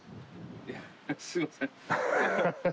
いやすいません